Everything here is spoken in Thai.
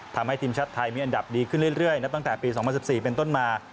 ทำให้ทีมชาติไทยมีอันดับดีขึ้นเรื่อยนับตั้งแต่ปี๒๐๑๔เป็นต้นมา